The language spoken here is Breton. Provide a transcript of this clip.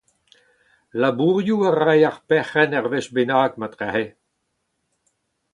Labourioù a ray ar perc’henn ur wech bennak marteze.